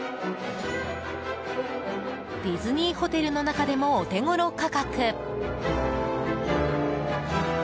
ディズニーホテルの中でもお手ごろ価格。